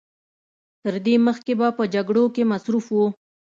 تر دې مخکې به په جګړو کې مصروف و.